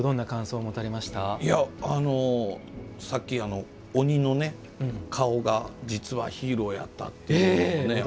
さっき、鬼の顔が実はヒーローやったっていう。